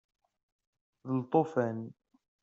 D lṭufan.